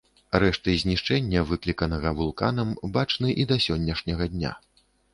Рэшты знішчэння, выкліканага вулканам, бачны і да сённяшняга дня.